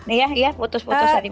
iya iya putus putus